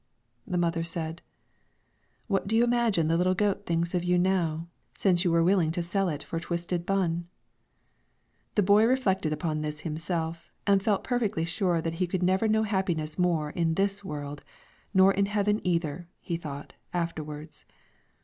The mother said, "What do you imagine the little goat thinks of you now, since you were willing to sell it for a twisted bun?" The boy reflected upon this himself, and felt perfectly sure that he never could know happiness more in this world nor in heaven either, he thought, afterwards.